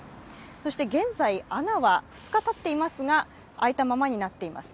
そして現在、穴は２日たっていますが開いたままになっています。